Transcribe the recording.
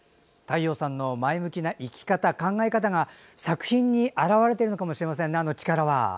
太陽さんの前向きな生き方、考え方が作品に表れてるのかもしれませんね。